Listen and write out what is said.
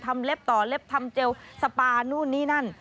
เล็บต่อเล็บทำเจลสปานู่นนี่นั่น